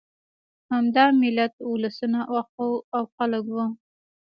همدا ملت، اولسونه او خلک وو.